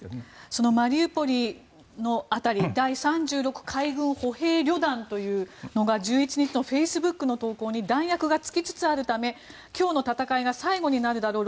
そのマリウポリの辺り第３６海軍歩兵旅団というのが１１日のフェイスブックの投稿に弾薬が尽きつつあるため今日の戦いが最後になるだろう